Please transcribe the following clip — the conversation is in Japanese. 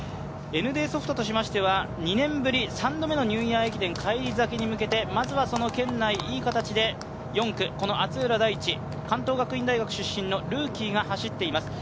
ＮＤソフトとしてましては２年ぶり３度目のニューイヤー駅伝返り咲きを目指してまずはその圏内、いい形で４区、厚浦大地、関東学院大学出身のルーキーが走っています。